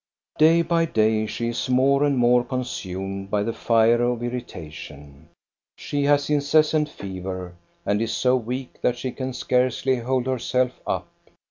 Day by day she is more and more consumed by the fire of irritation. She has incessant fever and is so weak that she can scarcely hold herself up.